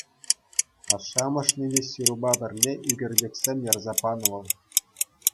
Ашшӗ-амӑшне те ҫырупа пӗрле ӳкерчӗксем ярса панӑ вӑл.